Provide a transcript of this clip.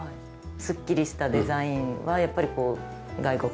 すっきりしたデザインはやっぱり外国製というか。